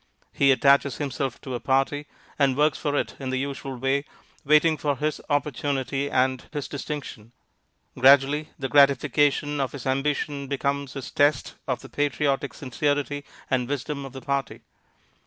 He attaches himself to a party, and works for it in the usual way, waiting for his opportunity and his distinction. Gradually the gratification of his ambition becomes his test of the patriotic sincerity and wisdom of his party.